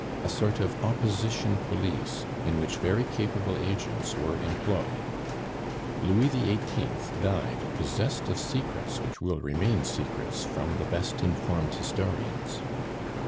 a sort of opposition police in which very capable agents were employed. Louis XVIII. died possessed of secrets which will remain secrets from the best informed historians.